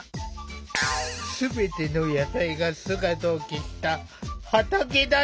全ての野菜が姿を消した畑だった。